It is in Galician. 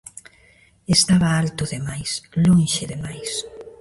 Estaba alto de máis, lonxe de máis.